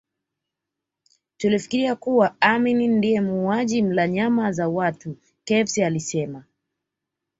Tulifikiria kuwa Amin ni muuaji mla nyama za watu Chavez alisema